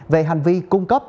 về hành vi cung cấp